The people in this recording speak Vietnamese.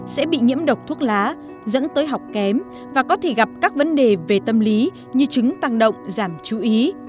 sẽ bị nhiễm độc thuốc lá dẫn tới học kém và có thể gặp các vấn đề về tâm lý như chứng tăng động giảm chú ý